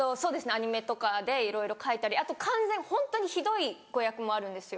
アニメとかでいろいろ書いたりあと完全にホントにひどい誤訳もあるんですよ。